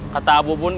kata abu bun